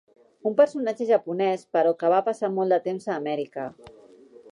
Un personatge japonès però que va passar molt de temps a Amèrica.